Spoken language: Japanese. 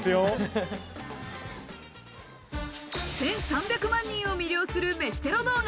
１３００万人を魅了する飯テロ動画。